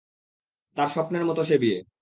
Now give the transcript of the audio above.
তার স্বপ্নের মতো সে বিয়ে।